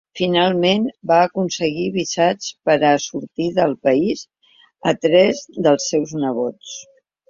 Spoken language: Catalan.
Finalment, va aconseguir visats per a sortir del país a tres dels seus nebots.